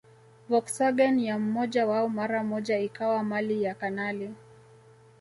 Volkswagen ya mmoja wao mara moja ikawa mali ya kanali